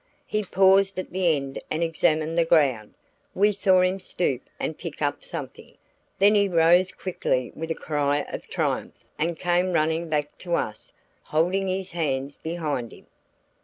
He paused at the end and examined the ground. We saw him stoop and pick up something. Then he rose quickly with a cry of triumph and came running back to us holding his hands behind him.